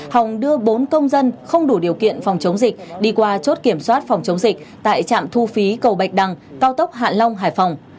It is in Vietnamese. hồng đưa bốn công dân không đủ điều kiện phòng chống dịch đi qua chốt kiểm soát phòng chống dịch tại trạm thu phí cầu bạch đằng cao tốc hạ long hải phòng